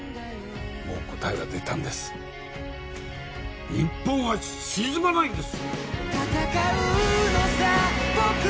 もう答えは出たんです日本は沈まないんです